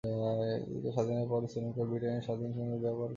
কিন্তু স্বাধীনতার পরও শ্রীলঙ্কায় ব্রিটেনের জাতীয় সংগীত ব্যবহার করা হত।